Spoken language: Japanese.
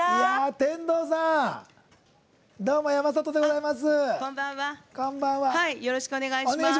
天童さん、どうも山里でございます。